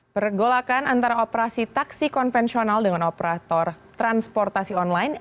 pergolakan antara operasi taksi konvensional dengan operator transportasi online